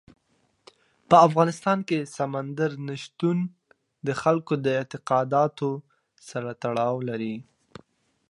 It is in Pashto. په افغانستان کې سمندر نه شتون د خلکو د اعتقاداتو سره تړاو لري.